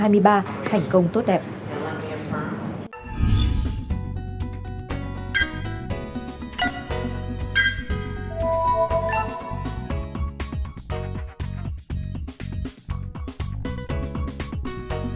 hãy đăng ký kênh để ủng hộ kênh của mình nhé